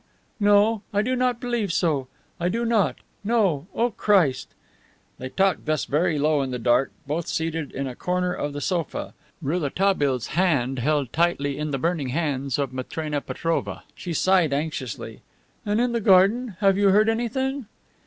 No. I do not believe so. I do not. No, oh, Christ!" They talked thus very low in the dark, both seated in a corner of the sofa, Rouletabille's hand held tightly in the burning hands of Matrena Petrovna. She sighed anxiously. "And in the garden have you heard anything?"